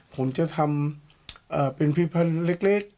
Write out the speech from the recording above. ผมจะทำเป็นพิพันธ์เล็ก